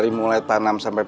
akang mau ganti nanam kentang